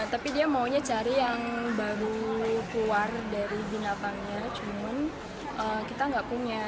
tapi dia maunya cari yang baru keluar dari binatangnya cuman kita nggak punya